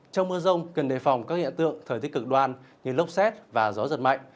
trong mưa rông cần đề phòng các hiện tượng thời tiết cực đoan như lốc xét và gió giật mạnh